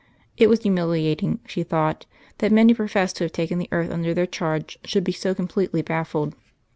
It was humiliating, she thought, that men who professed to have taken the earth under their charge should be so completely baffled.